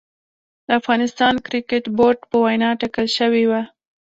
د افغانستان کريکټ بورډ په وينا ټاکل شوې وه